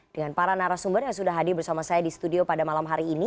dengan para narasumber yang sudah hadir bersama saya di studio pada malam hari ini